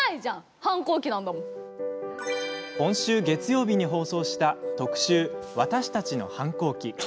今週月曜日に放送した特集私たちの反抗期。